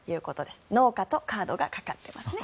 農家とカードがかかっていますね。